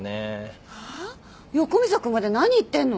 横溝君まで何言ってんの？